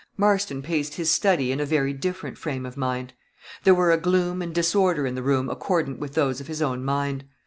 Marston paced his study in a very different frame of mind. There were a gloom and disorder in the room accordant with those of his own mind.